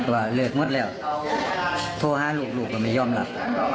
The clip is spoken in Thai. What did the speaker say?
ว่าเลิกหมดแล้วโทรหาลูกลูกก็ไม่ยอมรับ